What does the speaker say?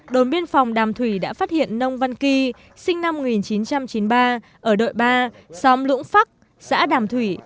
đồn biên phòng đàm thủy đã phát hiện nông văn kỳ sinh năm một nghìn chín trăm chín mươi ba ở đội ba xóm lũng phấc xã đàm thủy